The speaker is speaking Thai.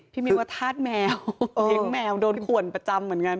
พี่มิวว่าทาดแมวเหลี้ยงแมวโดนข่วนประจำเหมือนกัน